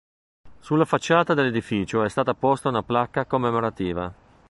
Sulla facciata dell'edificio è stata posta una placca commemorativa.